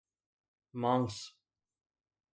مانڪس